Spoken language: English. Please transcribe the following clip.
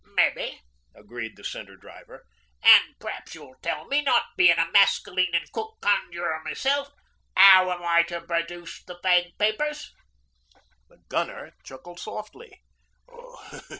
'Mebbe,' agreed the Centre Driver. 'An' p'raps you'll tell me not being a Maskelyne an' Cook conjurer meself 'ow I'm to produce the fag papers.' The Gunner chuckled softly.